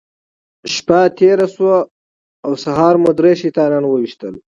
شپه تېره شوه او سهار مو درې شیطانان وويشتل.